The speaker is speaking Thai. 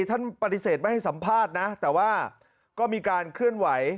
ท่านปฏิเสธไม่ให้สัมภาษณ์นะแต่ว่าก็มีการเคลื่อนไหว